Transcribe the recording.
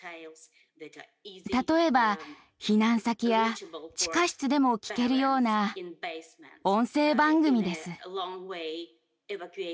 例えば、避難先や地下室でも聞けるような音声番組です。